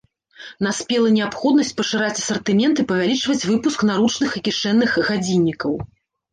Наспела неабходнасць пашыраць асартымент і павялічваць выпуск наручных і кішэнных гадзіннікаў.